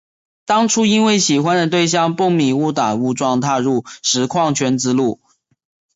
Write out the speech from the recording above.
当初因为喜欢的对象蹦米误打误撞踏入实况圈之路。